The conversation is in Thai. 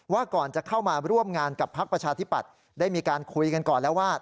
ก่อนจะเข้ามาร่วมงานกับพักประชาธิปัตย์ได้มีการคุยกันก่อนแล้วว่า